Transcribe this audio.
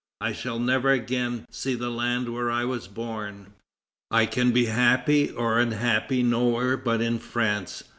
I shall never again see the land where I was born. I can be happy or unhappy nowhere but in France.